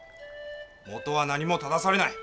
元は何も糾されない。